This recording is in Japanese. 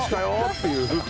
っていう。